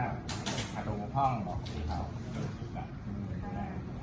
นี่นี่นี่นี่นี่